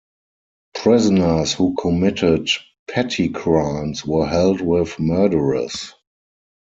Prisoners who committed petty crimes were held with murderers.